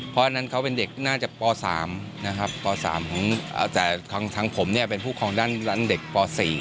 เพราะอันนั้นเขาเป็นเด็กน่าจะป๓นะครับป๓แต่ทางผมเนี่ยเป็นผู้ครองด้านเด็กป๔